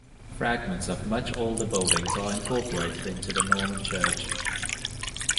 Fragments of much older buildings are incorporated into the Norman church.